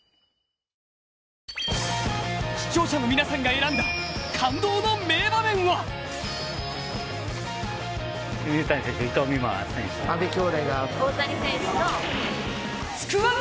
視聴者の皆さんが選んだ感動の名場面は「つくワン」